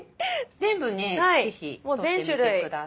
全部ねぜひ取ってみてください。